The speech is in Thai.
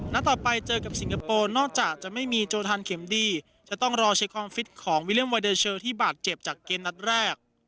นัดต่อไปเจอกับสิงคโปรอะไรอะนอกจากจะไม่มีโจทานเข็มดเบี่ยวจะต้องน่าจะรอเช็คคอมฟิสของวิเรียมวาเดชรที่บาดเจ็บจากเกมนัดแก้ง